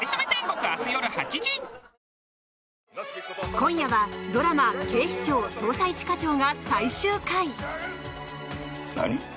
今夜はドラマ「警視庁・捜査一課長」が最終回！何？